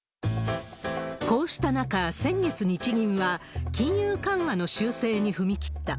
こうした中、先月、日銀は金融緩和の修正に踏み切った。